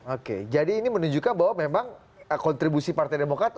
oke jadi ini menunjukkan bahwa memang kontribusi partai demokrat